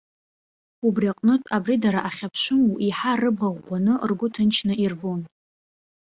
Убри аҟнытә, абри дара ахьаԥшәымоу еиҳа рыбӷа ӷәӷәаны, ргәы ҭынчны ирбон.